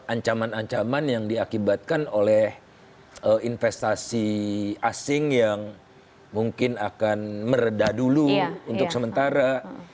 ancaman ancaman yang diakibatkan oleh investasi asing yang mungkin akan meredah dulu untuk sementara